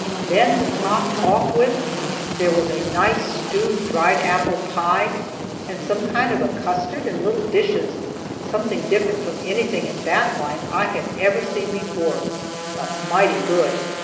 Then, to top off with, there was a nice stewed dried apple pie, and some kind of a custard in little dishes, something different from anything in that line that I had ever seen before, but mighty good.